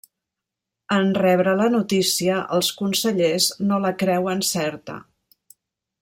En rebre la notícia, els consellers no la creuen certa.